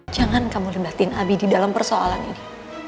jangan kamu debatin abi di dalam persoalan ini